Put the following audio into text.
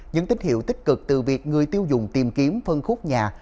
những tín hiệu tích cực từ việc người tiêu dùng tìm kiếm phân khúc nhà